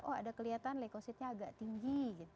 oh ada kelihatan lekositnya agak tinggi